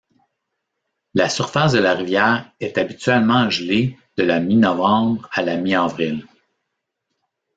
La surface de la rivière est habituellement gelée de la mi-novembre à la mi-avril.